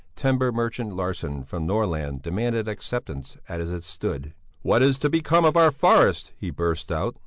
Timber merchant Larsson from Norrland demanded acceptance as it stood. "What is to become of our forests?" he burst out.